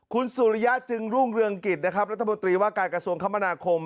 คุณสุริยะจึงรุ่งเรืองกิจนะครับรัฐมนตรีว่าการกระทรวงคมนาคม